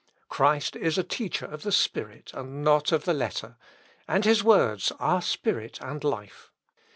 Christ is a teacher of the spirit and not of the letter, and his words are spirit and life."